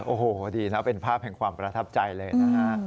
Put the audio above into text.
โอ้โหดีนะเป็นภาพแห่งความประทับใจเลยนะฮะ